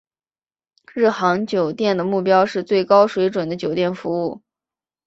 日航酒店的目标是最高水准的酒店服务。